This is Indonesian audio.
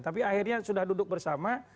tapi akhirnya sudah duduk bersama